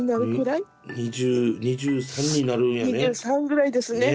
２３ぐらいですね。ね。